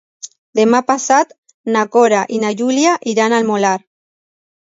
Demà passat na Cora i na Júlia iran al Molar.